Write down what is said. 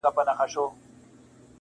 یو ناڅاپه وو کوهي ته ور لوېدلې -